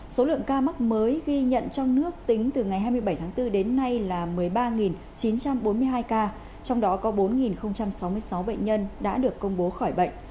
số lượng ca mắc mới ghi nhận trong nước tính từ ngày hai mươi bảy tháng bốn đến nay là một mươi ba chín trăm bốn mươi hai ca trong đó có bốn sáu mươi sáu bệnh nhân đã được công bố khỏi bệnh